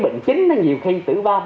bệnh chính nhiều khi tử vong